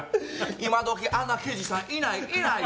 今どきあんな刑事さんいないいないよ。